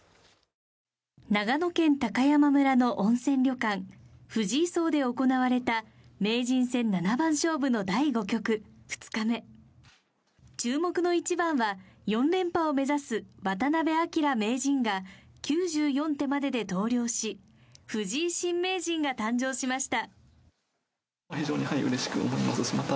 長野県高山村の温泉旅館藤井荘で行われた名人戦７番勝負の第５局２日目注目の一番は４連覇を目指す渡辺明名人が９４手までで投了し、藤井新名人が誕生しました。